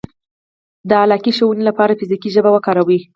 -د علاقې ښودنې لپاره فزیکي ژبه وکاروئ